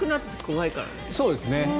そうですね。